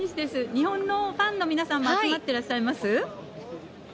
日本のファンの皆さんも集まっておられます？